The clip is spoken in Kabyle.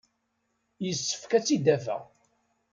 Yessefk ad tt-id-afeɣ.